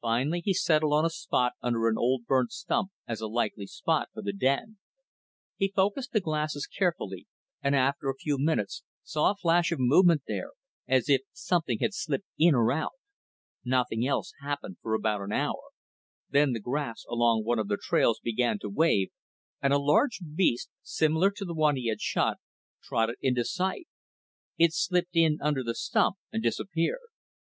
Finally, he settled on a spot under an old burnt stump as a likely spot for the den. He focused the glasses carefully and after a few minutes saw a flash of movement there, as if something had slipped in or out. Nothing else happened for about an hour. Then the grass along one of the trails began to wave and a large beast, similar to the one he had shot, trotted into sight. It slipped in under the stump and disappeared.